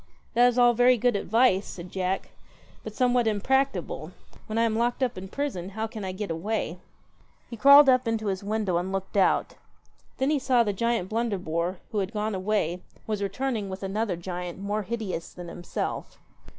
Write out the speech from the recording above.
'That is all very good advice,' said Jack, 'but somewhat impracticable. When I am locked up in a prison, how can I get away ? He crawled up into his window and looked out Then he saw the giant Blunderbore, who had gone away, was returning with another giant more hideous than himself.